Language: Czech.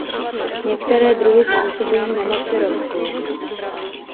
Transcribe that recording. Některé druhy způsobují nemoci rostlin.